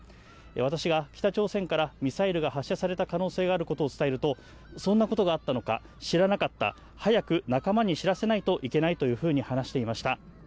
私が北朝鮮からミサイルが発射された可能性があることを伝えると、そんなことがあったのか知らなかった、早く仲間に知らせないといけないというふうに話していました。